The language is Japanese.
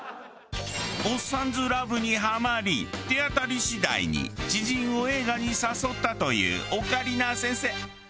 『おっさんずラブ』にハマり手当たり次第に知人を映画に誘ったというオカリナ先生。